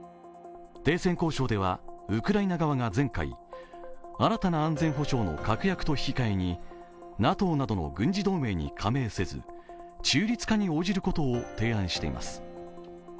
停戦交渉ではウクライナ側が前回、新たな安全保障の確約と同時にＮＡＴＯなどの軍事同盟に加盟せず中立化に応じることを提案しています。